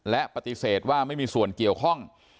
และปฏิเสธว่าไม่มีส่วนเกี่ยวข้อง